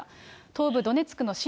東部ドネツクの親